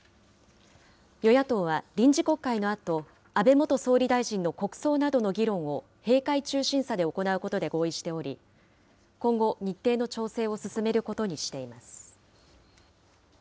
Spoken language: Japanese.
与野党は臨時国会のあと、安倍元総理大臣の国葬などの議論を閉会中審査で行うことで合意しており、今後、日程の調整を進めることにしています。